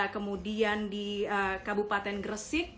kemudian di kabupaten gresik